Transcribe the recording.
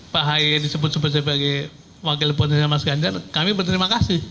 pak haya disebut sebagai wakil potensial mas ganjar kami berterima kasih